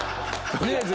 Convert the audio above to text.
とりあえず。